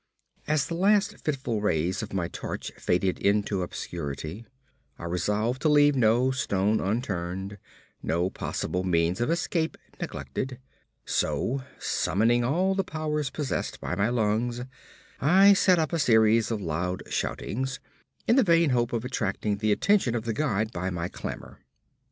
As the last fitful rays of my torch faded into obscurity, I resolved to leave no stone unturned, no possible means of escape neglected; so, summoning all the powers possessed by my lungs, I set up a series of loud shoutings, in the vain hope of attracting the attention of the guide by my clamour.